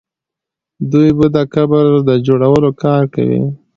دوی به د قبر د جوړولو کار کوي.